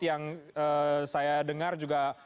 yang saya dengar juga